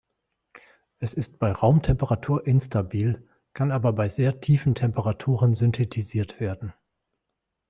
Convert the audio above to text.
Es ist bei Raumtemperatur instabil, kann aber bei sehr tiefen Temperaturen synthetisiert werden.